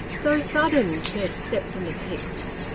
" So sudden," said Septimus Hicks.